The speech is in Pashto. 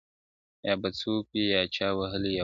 يا به څوك وي چا وهلي يا وژلي -